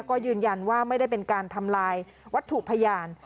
ก็ยืนยันว่าไม่ได้เป็นการทำลายวัตถุพยาน